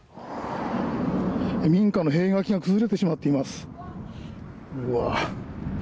民家の塀垣が崩れてしまっています。